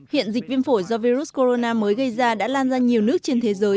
hiện dịch viêm phổi do virus corona mới gây ra đã lan ra nhiều nước trên thế giới